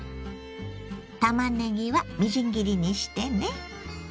たまねぎはみじん切りにしてね。